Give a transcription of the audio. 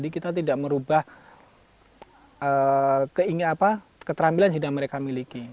jadi kita tidak merubah farmer keterampilan sudah merekamiliki